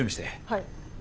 はい。